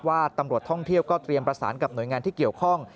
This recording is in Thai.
ว่าตำรวจท่องเที่ยวก็เตรียมประสานกับหน่วยงานที่เกี่ยวข้อง